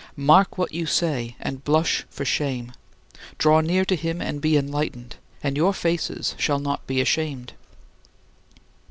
Mark what you say and blush for shame; draw near to him and be enlightened, and your faces shall not be ashamed.